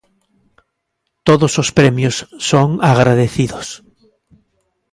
Todos os premios son agradecidos.